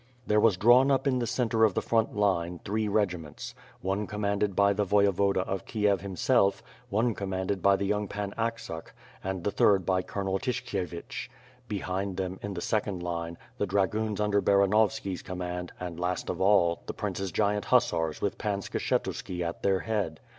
There was drawn up in the centre of the front line, three regiments; one commanded by the Voyevoda of Kiev him self; one commanded by the young Pan Aksak; and the third by Colonel Tyshkievich. Behind them, in the second line, the dragoons under Baranovski's command and, last of all, the princess giant hussars with Pan Skshetuski at their head.